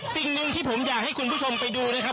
สิ่งหนึ่งที่ผมอยากให้คุณผู้ชมไปดูนะครับ